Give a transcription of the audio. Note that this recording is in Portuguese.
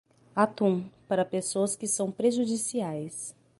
Atum, para pessoas que são prejudiciais.